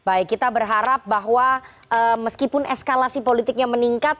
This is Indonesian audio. baik kita berharap bahwa meskipun eskalasi politiknya meningkat